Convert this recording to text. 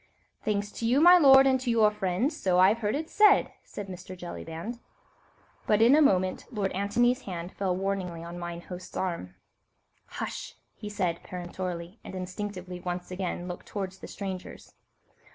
"Thanks to you, my lord, and to your friends, so I've heard it said," said Mr. Jellyband. But in a moment Lord Antony's hand fell warningly on mine host's arm. "Hush!" he said peremptorily, and instinctively once again looked towards the strangers.